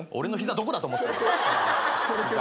どこだと思ってんだ。